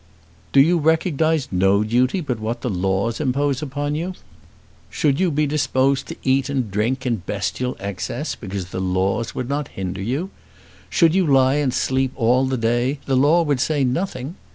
"Do you recognise no duty but what the laws impose upon you? Should you be disposed to eat and drink in bestial excess, because the laws would not hinder you? Should you lie and sleep all the day, the law would say nothing!